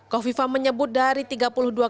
kofifa menyebut dari tiga puluh dua